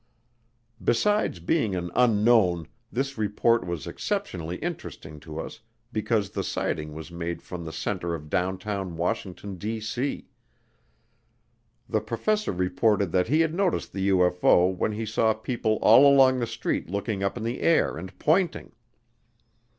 Besides being an "Unknown," this report was exceptionally interesting to us because the sighting was made from the center of downtown Washington, D.C. The professor reported that he had noticed the UFO when he saw people all along the street looking up in the air and pointing.